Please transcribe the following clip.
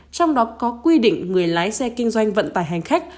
trong đó có quy định người lái xe kinh doanh vận tải hành khách